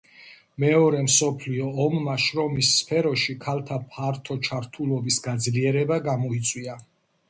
მეორე მსოფლიო ომმა შრომის სფეროში ქალთა ფართო ჩართულობის გაძლიერება გამოიწვია.